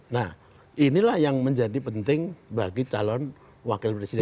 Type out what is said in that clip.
nah inilah yang menjadi penting bagi calon wakil presiden